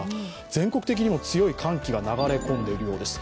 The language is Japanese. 全国的にも強い寒気が流れ込んでいるようです。